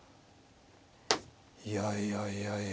いやいやいやいや。